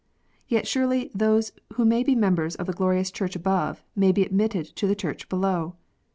Yet surely those who may be members of the glorious Church above, may be admitted to the Church below